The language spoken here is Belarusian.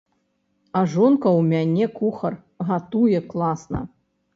А жонка ў мяне кухар, гатуе класна.